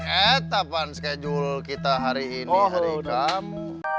ketepan schedule kita hari ini kamu